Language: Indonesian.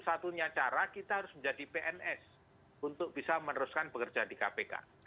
satunya cara kita harus menjadi pns untuk bisa meneruskan bekerja di kpk